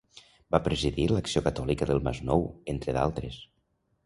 Va presidir l'Acció Catòlica del Masnou, entre d'altres.